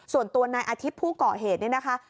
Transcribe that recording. ส่วนตัวนายอาทิตย์ผู้ก่อเหตุเนี่ยนะคะ